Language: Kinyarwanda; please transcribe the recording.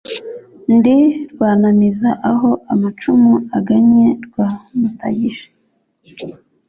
Ndi Rwanamiza aho amacumu agannye rwa mutagisha